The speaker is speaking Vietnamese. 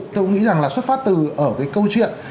tôi cũng nghĩ rằng là xuất phát từ ở cái câu chuyện